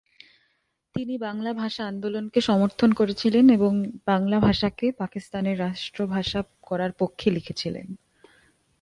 তিনি বাংলা ভাষা আন্দোলনকে সমর্থন করেছিলেন এবং বাংলা ভাষাকে পাকিস্তানের রাষ্ট্রভাষা করার পক্ষে লিখেছিলেন।